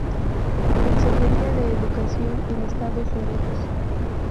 Consejería de Educación en Estados Unidos.